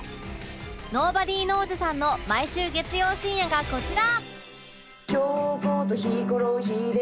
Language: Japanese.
ｎｏｂｏｄｙｋｎｏｗｓ＋ さんの「毎週月曜深夜」がこちら